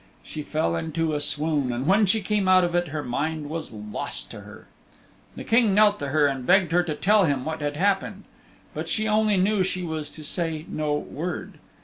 She fell into a swoon and when she came out of it her mind was lost to her. The King knelt to her and begged her to tell him what had happened. But she only knew she was to say no word.